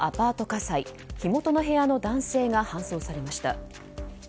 火災火元の部屋の男性が搬送されました。